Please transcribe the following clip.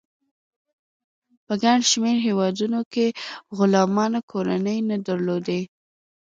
په ګڼ شمیر هیوادونو کې غلامانو کورنۍ نه درلودې.